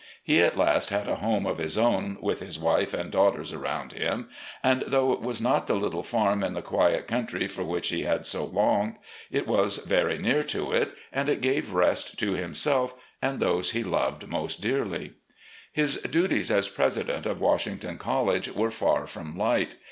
He at last had a home of his o'wn, with his •w'ife and daughters around him, and though it was not the little farm in the quiet country for which he had so longed, it was very near to it, and it gave rest to himself and those he loved most dearly. His duties as president of Washington College were far from light.